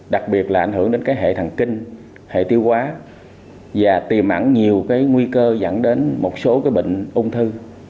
đặc biệt là ảnh hưởng đến cái hệ thần kinh hệ tiêu quá và tìm ảnh nhiều cái nguy cơ dẫn đến một số cái bệnh ung thư